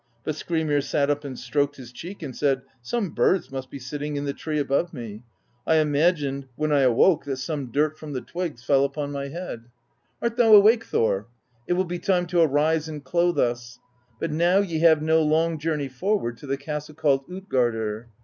But Skrymir sat up and stroked his cheek, and said : 'Some birds must be sitting in the tree above me; I imagined. THE BEGUILING OF GYLFI 6i when I awoke, that some dirt from the twigs fell upon my head. Art thou awake, Thor ? It will be time to arise and clothe us; but now ye have no long journey forward to the castle called tJtgardr.